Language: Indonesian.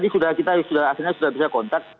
sudah tadi kita sudah bisa kontak